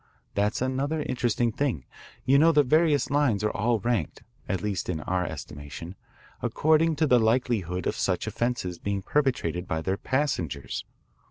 That's another interesting thing. You know the various lines are all ranked, at least in our estimation, according to the likelihood of such offences being perpetrated by their passengers.